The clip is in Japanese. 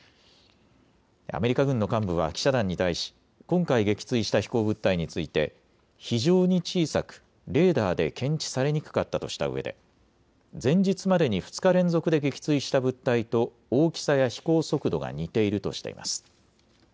アメリカ軍の幹部は記者団に対し今回撃墜した飛行物体について非常に小さくレーダーで検知されにくかったとしたうえで前日までに２日連続で撃墜した物体と大きさや飛行速度が似ているとしています。